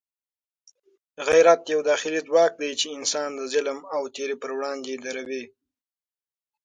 غیرت یو داخلي ځواک دی چې انسان د ظلم او تېري پر وړاندې دروي.